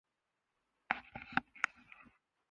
شایانِ دست و بازوےٴ قاتل نہیں رہا